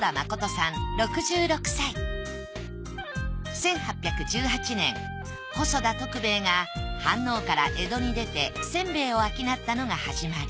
１８１８年細田徳兵衛が飯能から江戸に出て煎餅を商ったのが始まり。